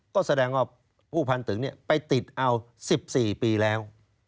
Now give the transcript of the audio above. ก็แสดงว่าผู้พันตึงไปติดเอา๑๔ปีแล้ว